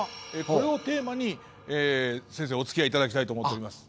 これをテーマに先生おつきあいいただきたいと思っております。